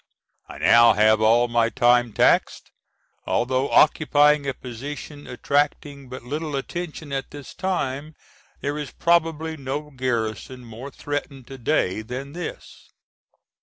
I now have all my time taxed. Although occupying a position attracting but little attention at this time there is probably no garrison more threatened to day than this.